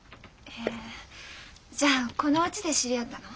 へえじゃあこのうちで知り合ったの？